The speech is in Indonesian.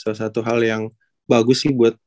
salah satu hal yang bagus sih buat